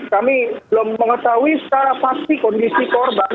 kami belum mengetahui secara pasti kondisi korban